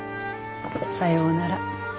さようなら。